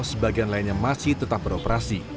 sebagian lainnya masih tetap beroperasi